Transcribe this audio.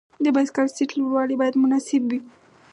د بایسکل سیټ لوړوالی باید مناسب وي.